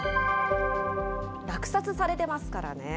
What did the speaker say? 落札されてますからね。